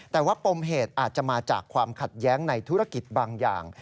แต่ว่าปมเหตุอาจจะมาจากความขัดแย้งในธุรกิจบางอย่าง